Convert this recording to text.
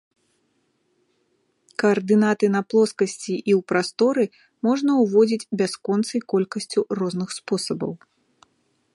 Каардынаты на плоскасці і ў прасторы можна ўводзіць бясконцай колькасцю розных спосабаў.